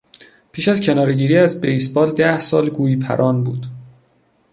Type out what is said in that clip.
پیش از کنارهگیری از بیسبال ده سال گوی پران بود.